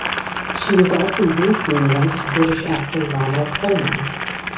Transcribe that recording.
She was also briefly linked to British actor Ronald Colman.